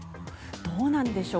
どうなんでしょう？